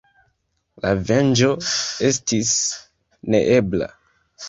La venĝo estis neebla.